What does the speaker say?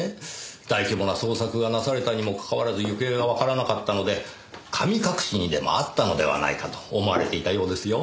大規模な捜索がなされたにもかかわらず行方がわからなかったので神隠しにでもあったのではないかと思われていたようですよ。